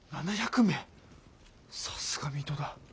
さすが水戸だ。